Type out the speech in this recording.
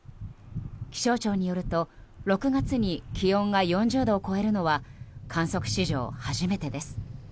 気象庁によると６月に気温が４０度を超えるのは観測史上初めてです。